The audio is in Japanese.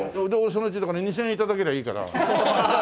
そのうちだから２０００円頂けりゃいいから。